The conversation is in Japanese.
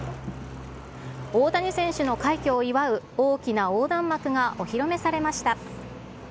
大谷選手の快挙を祝う、大きな横断幕がお披露目されました。